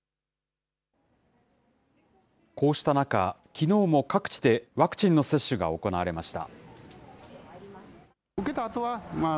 こうした中、きのうも各地でワクチンの接種が行われました。